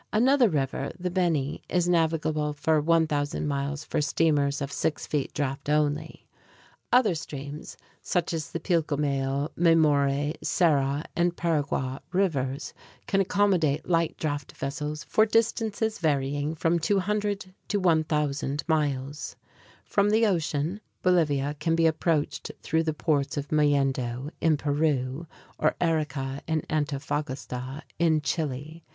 Another river, the Beni, is navigable for 1,000 miles for steamers of six feet draft only. Other streams, such as the Pilcomayo, Mamoré, Sara, and Paragua Rivers can accommodate light draft vessels for distances varying from 200 to 1,000 miles. From the ocean Bolivia can be approached through the ports of Mollendo, in Peru, or Arica and Antofagasta in Chile.